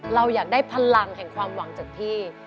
เราอยากได้พลังแห่งความหวังจากพี่